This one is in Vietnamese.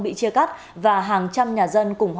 bị chia cắt và hàng trăm nhà dân